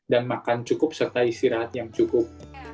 dan makan cukup serta istirahat yang cukup